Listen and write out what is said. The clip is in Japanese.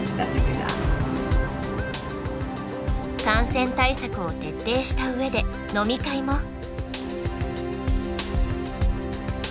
感染対策を徹底した上で飲み会も。